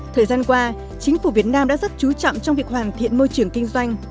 thời gian qua chính phủ việt nam đã rất chú trọng trong việc hoàn thiện môi trường kinh doanh